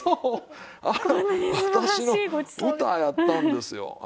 私の歌やったんですよ